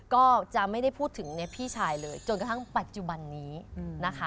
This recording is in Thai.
ก็จะไม่ได้พูดถึงในพี่ชายเลยจนกระทั่งปัจจุบันนี้นะคะ